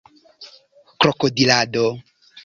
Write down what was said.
krokodilado